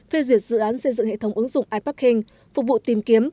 phê duyệt dự án xây dựng hệ thống ứng dụng iparking phục vụ tìm kiếm